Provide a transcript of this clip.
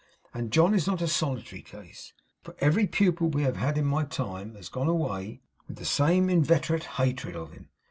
And John is not a solitary case, for every pupil we have had in my time has gone away with the same inveterate hatred of him.